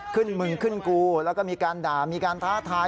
มึงขึ้นกูแล้วก็มีการด่ามีการท้าทาย